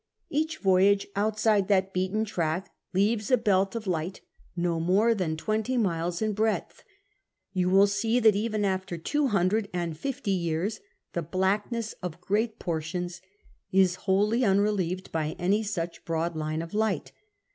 Each voyage outside that beaten track leaves a belt of light no more than twenty miles in breadth. You will see that even after two hundred and fifty years the blackness of great portions is wholly unrelieved by any such broad line of light.